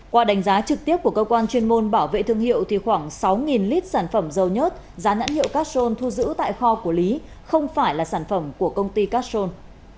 qua đánh giá trực tiếp của cơ quan chuyên môn bảo vệ thương hiệu thì khoảng sáu lít sản phẩm dầu nhớt giá nhãn hiệu castrol thu giữ tại kho của lý không phải là sản phẩm của công ty castrol